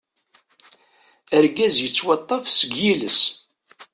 Argaz yettwaṭṭaf seg yiles.